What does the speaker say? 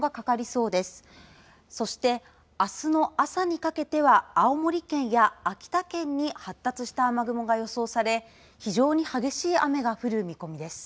そして、あすの朝にかけては青森県や秋田県に発達した雨雲が予想され非常に激しい雨が降る見込みです。